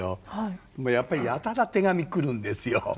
やっぱりやたら手紙来るんですよ。